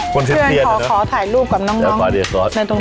เพื่อนขอถ่ายรูปกับน้อง